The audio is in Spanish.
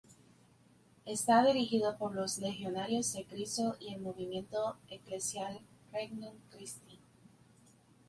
Está dirigido por los Legionarios de Cristo y el Movimiento eclesial Regnum Christi.